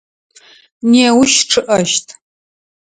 Неущ чъыӏэщт.